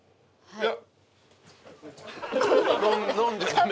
はい。